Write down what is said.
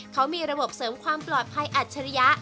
เขามีระบบเสริมความปลอดภัยอัจฉริยะ